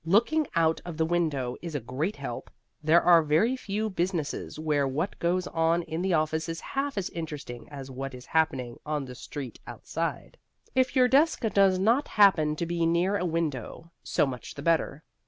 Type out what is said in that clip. Looking out of the window is a great help. There are very few businesses where what goes on in the office is half as interesting as what is happening on the street outside. If your desk does not happen to be near a window, so much the better.